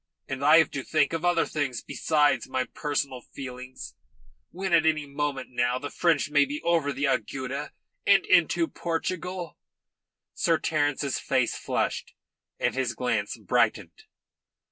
And I have to think of other things besides my personal feelings, when at any moment now the French may be over the Agueda and into Portugal." Sir Terence's face flushed, and his glance brightened.